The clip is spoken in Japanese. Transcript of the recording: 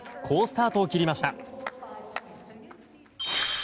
好スタートを切りました。